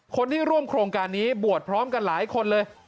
คนที่ร่วมโครงการนี้บวชพร้อมกันหลายคนเลย